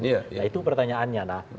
nah itu pertanyaannya